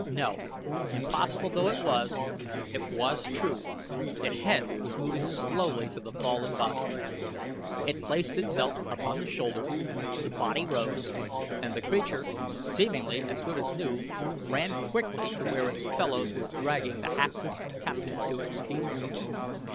No, impossible though it was it was true the head was moving slowly to the fallen body. It placed itself upon the shoulders, the body rose, and the creature, seemingly as good as new, ran quickly to where its fellows were dragging the hapless captive to its feet.